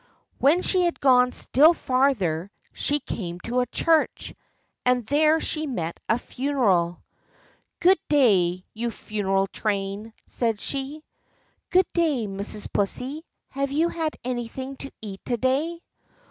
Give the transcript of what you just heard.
When she had gone still farther, she came to a church, and there she met a funeral. "Good day, you funeral train," said she. "Good day, Mrs. Pussy; have you had anything to eat to day?"